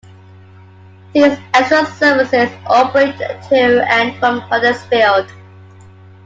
These extra services operate to and from Huddersfield.